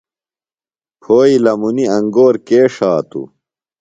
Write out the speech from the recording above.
پھوئی لمُنی انگور کے ݜاتوۡ؟